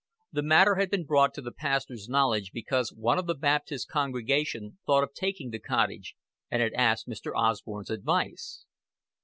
The matter had been brought to the pastor's knowledge because one of the Baptist congregation thought of taking the cottage, and had asked Mr. Osborn's advice.